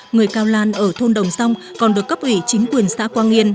người cao lan ở thôn đồng rong còn được cấp ủy chính quyền xã quang yên